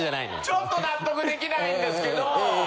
ちょっと納得できないんですけど。